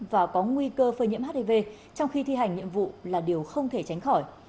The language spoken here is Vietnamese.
và có nguy cơ phơi nhiễm hiv trong khi thi hành nhiệm vụ là điều không thể tránh khỏi